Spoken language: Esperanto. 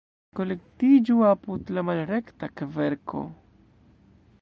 Kolektiĝu apud la malrekta kverko!